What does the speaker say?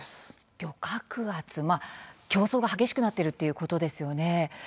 漁獲圧、競争が激しくなっているということですよね。